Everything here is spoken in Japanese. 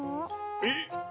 えっ？